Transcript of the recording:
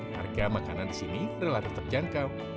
harga makanan di sini relatif terjangkau